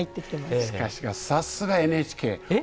しかしさすがＮＨＫ。え？